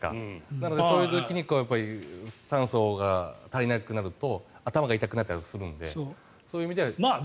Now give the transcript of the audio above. なので、そういう時に酸素が足りなくなると頭が痛くなったりするのでそういう意味であります。